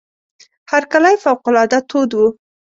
هرکلی فوق العاده تود وو.